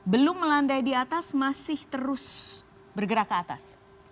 belum melandai di atas masih terus bergerak ke atas